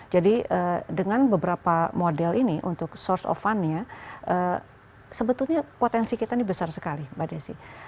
jadi dengan beberapa model ini untuk source of fund nya sebetulnya potensi kita ini besar sekali mbak desy